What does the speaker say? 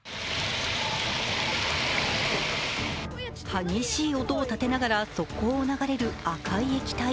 激しい音を立てながら側溝を流れる赤い液体。